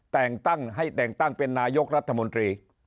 แต่งตั้งให้แต่งตั้งเป็นนายกรัฐมนตรี